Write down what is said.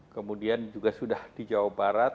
kemudian juga sudah di jawa barat